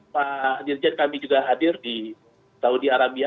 pak dirjen kami juga hadir di saudi arabia